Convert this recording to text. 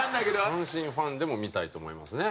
阪神ファンでも見たいと思いますね。